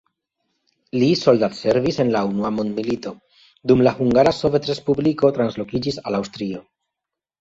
Li soldatservis en la unua mondmilito, dum la Hungara Sovetrespubliko translokiĝis al Aŭstrio.